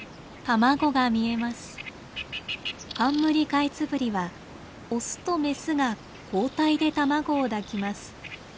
カンムリカイツブリはオスとメスが交代で卵を抱きます。